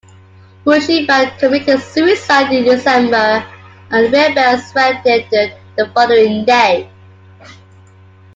Wu Shifan committed suicide in December and the rebels surrendered the following day.